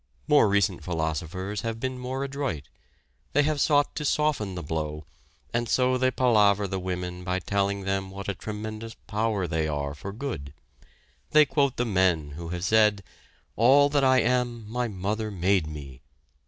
More recent philosophers have been more adroit they have sought to soften the blow, and so they palaver the women by telling them what a tremendous power they are for good. They quote the men who have said: "All that I am my mother made me."